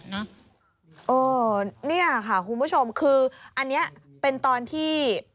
นี่ค่ะคุณผู้ชมคืออันนี้เป็นตอนที่